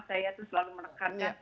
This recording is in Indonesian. saya itu selalu menekannya